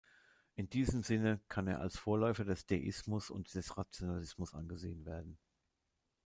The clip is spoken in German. In diesem Sinne kann er als Vorläufer des Deismus und des Rationalismus angesehen werden.